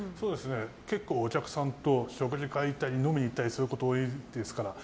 結構、お客さんと食事会に行ったり飲みに行ったりすること多いですから。